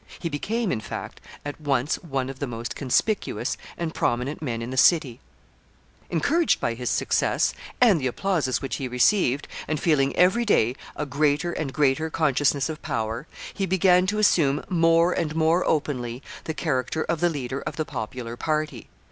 He became, in fact, at once one of the most conspicuous and prominent men in the city. [Sidenote: Caesar's increasing power.] Encouraged by his success, and the applauses which he received, and feeling every day a greater and greater consciousness of power, he began to assume more and more openly the character of the leader of the popular party.